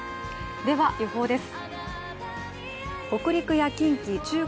では予報です。